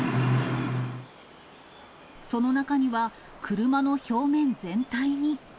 その中には、車の表面全体に。